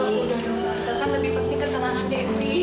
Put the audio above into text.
tante kan lebih penting ketenangan dewi